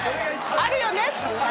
あるよね。